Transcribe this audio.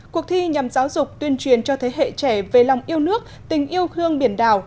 cuộc thi nhằm giáo dục tuyên truyền cho thế hệ trẻ về lòng yêu nước tình yêu hương biển đảo